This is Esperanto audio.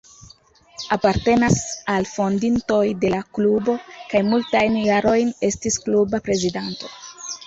Apartenas al fondintoj de la klubo kaj multajn jarojn estis kluba prezidanto.